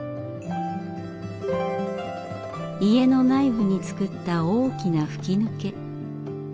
家の内部に造った大きな吹き抜け。